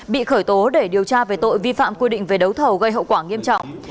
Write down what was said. bị khởi tố để điều tra về tội vi phạm quy định về đấu thầu gây hậu quả nghiêm trọng